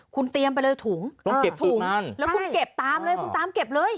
คุณเตรียมไปเลยถุงต้องเก็บถุงนั่นแล้วคุณเก็บตามเลยคุณตามเก็บเลย